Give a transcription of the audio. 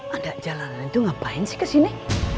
ada jalanan itu ngapain sih kesini